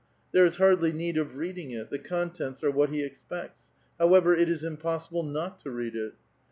There is hardly need of reading it ; the contents are what he expects. How ever, it is impossible not to read it.